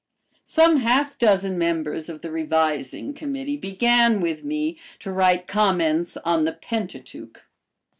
Some half dozen members of the Revising Committee began with me to write "Comments on the Pentateuch."